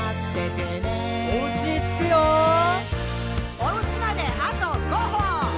「おうちまであと５歩！」